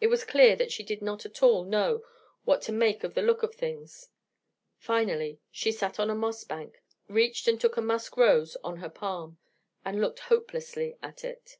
It was clear that she did not at all know what to make of the look of things. Finally, she sat on a moss bank, reached and took a musk rose on her palm, and looked hopelessly at it.